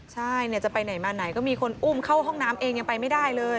ใช่จะไปไหนมาไหนก็มีคนอุ้มเข้าห้องน้ำเองยังไปไม่ได้เลย